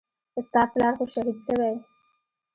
ستا پلار خو شهيد سوى.